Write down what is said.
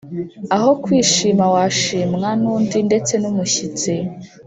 aho kwishima washimwa nundi ndetse numushyitsi